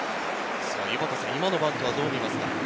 今のバント、どう見ますか？